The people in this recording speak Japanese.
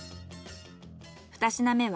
２品目は。